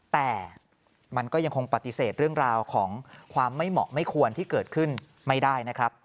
แต่มันก็ยังคงปฏิเสธเรื่องราวของความไม่เหมาะไม่ควรที่เกิดขึ้นไม่ได้นะครับ